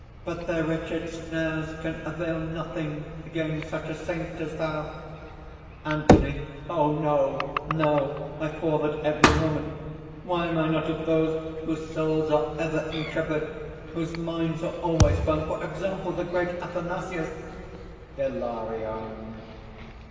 But their wretched snares can avail nothing against such a Saint as thou." ANTHONY. "Oh! no! no! I fall at every moment! Why am I not of those whose souls are ever intrepid, whose minds are always firm, for example, the great Athanasius?" HILARION.